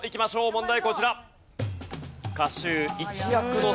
問題こちら。